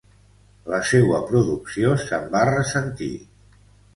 La seua producció se'n va ressentir.